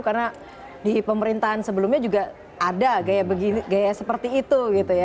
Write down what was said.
karena di pemerintahan sebelumnya juga ada gaya seperti itu